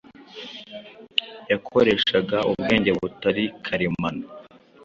yakoreshaga "ubwenge butari karemano